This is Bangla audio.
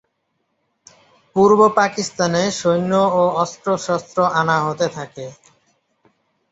পূর্ব পাকিস্তানে সৈন্য ও অস্ত্রশস্ত্র আনা হতে থাকে।